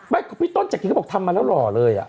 ไม่พี่ต้นจากที่ก็บอกทำมาแล้วหรอเลยอ่ะ